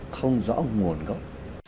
không rõ nguồn gốc